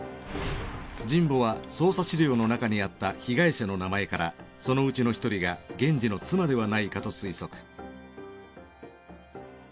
神保は捜査資料の中にあった被害者の名前からそのうちの１人が源次の妻ではないかと推測。